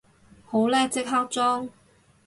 好叻，即刻裝